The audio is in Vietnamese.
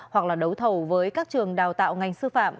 hoặc là đấu thầu với các trường đào tạo ngành sư phạm